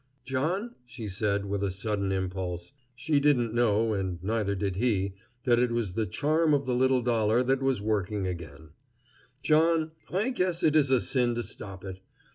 "John," she said, with a sudden impulse, she didn't know, and neither did he, that it was the charm of the little dollar that was working again, "John, I guess it is a sin to stop it.